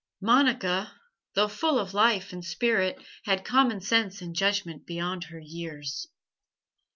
Monica, though full of life and spirit, had common sense and judgment beyond her years.